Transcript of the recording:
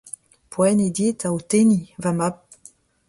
Poent eo dit aotenniñ va mab.